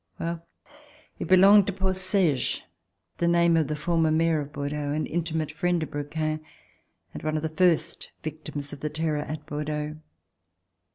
Well, it belonged to poor Saige! (The name of the former Mayor of Bordeaux, an intimate friend of Brou quens, and one of the first victims of The Terror at Bordeaux.)